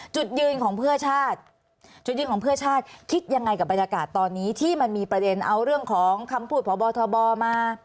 จุดยืนของเพื่อชาติจุดยืนของเพื่อชาติคิดยังไงกับบรรยากาศตอนนี้ที่มันมีประเด็นเอาเรื่องของคำพูดพบทบมา